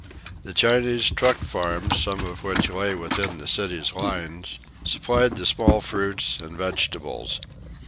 The Chinese truck farms, some of which lay within the city's lines, supplied the small fruits and vegetables.